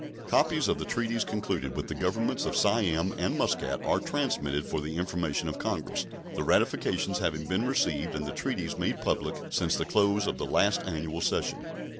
Copies of the treaties concluded with the Governments of Siam and Muscat are transmitted for the information of Congress, the ratifications having been received and the treaties made public since the close of the last annual session.